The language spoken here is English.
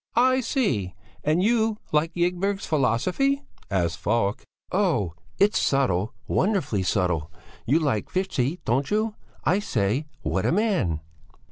"I see! And you like Ygberg's philosophy?" asked Falk. "Oh! It's subtle, wonderfully subtle! You like Fichte, don't you? I say! What a man!"